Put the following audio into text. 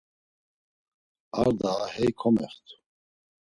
Ar daa, hey komext̆u.